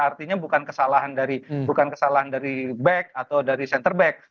artinya bukan kesalahan dari back atau dari center back